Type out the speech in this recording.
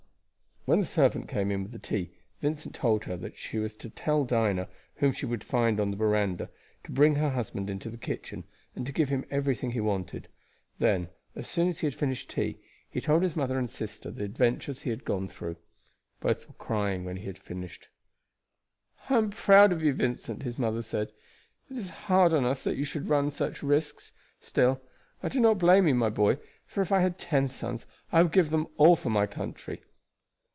When the servant came in with the tea Vincent told her that she was to tell Dinah, whom she would find on the veranda, to bring her husband into the kitchen, and to give him everything he wanted. Then, as soon as he had finished tea, he told his mother and sister the adventures he had gone through. Both were crying when he had finished. "I am proud of you, Vincent," his mother said. "It is hard on us that you should run such risks; still I do not blame you, my boy, for if I had ten sons I would give them all for my country."